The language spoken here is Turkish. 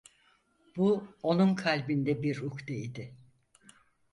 Bu onun kalbinde bir ukde idi.